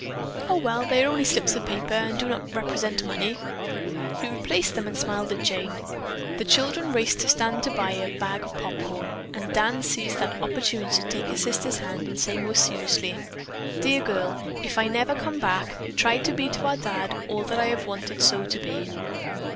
Oh, well, they are only slips of paper, and do not represent money." He replaced them and smiled at Jane. The children raced to a stand to buy a bag of popcorn and Dan seized that opportunity to take his sister's hand, and say most seriously: "Dear girl, if I never come back, try to be to our Dad all that I have so wanted to be."